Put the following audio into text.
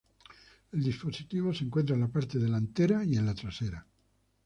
El dispositivo se encuentra en la parte delantera y trasera.